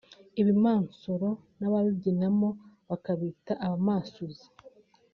Ibimansuro n’ababibyinamo bakabita abamansuzi